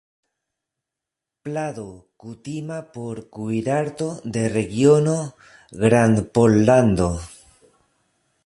Plado kutima por kuirarto de regiono Grandpollando.